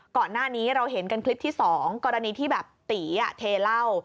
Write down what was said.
ก่อนหน้านี้เราเห็นกันคลิปที่๒กรณีที่แบบตีเทเหล้า